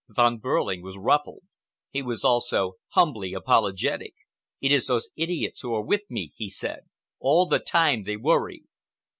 Von Behrling was ruffled. He was also humbly apologetic. "It is those idiots who are with me," he said. "All the time they worry."